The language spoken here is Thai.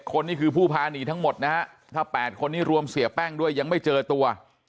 คนนี่คือผู้พาหนีทั้งหมดนะฮะถ้า๘คนนี้รวมเสียแป้งด้วยยังไม่เจอตัว